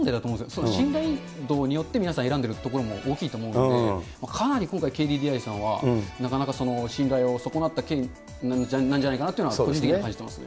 その信頼度によって皆さん選んでるところも大きいと思うので、かなり今回、ＫＤＤＩさんは、なかなか信頼を損なった経緯なんじゃないかなというのは、感じています。